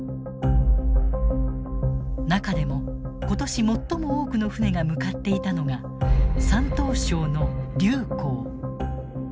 中でも今年最も多くの船が向かっていたのが山東省の竜口。